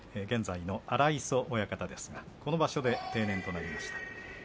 現在の荒磯親方ですがこの場所で定年となりました。